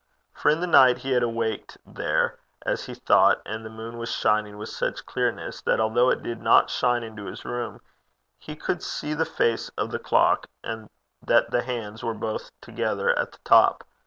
For in the night, he had awaked there as he thought, and the moon was shining with such clearness, that although it did not shine into his room, he could see the face of the clock, and that the hands were both together at the top.